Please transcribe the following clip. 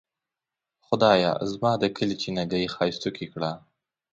خدایه زما د کلي چینه ګۍ ښائستوکې کړه.